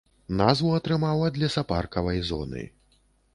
Назву атрымаў ад лесапаркавай зоны.